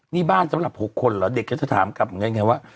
นี่บ้านสำหรับ๖คนเหรอเด็กเค้าจะถามกันไงว่า